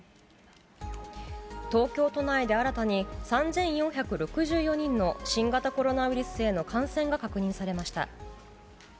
東京都内で新たに３４６４人の新型コロナウイルスへの感染が確認されました。